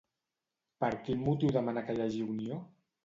Per quin motiu demana que hi hagi unió?